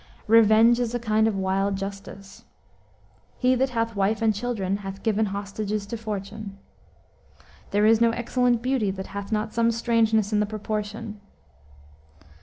"Revenge is a kind of wild justice." "He that hath wife and children hath given hostages to fortune." "There is no excellent beauty that hath not some strangeness in the proportion."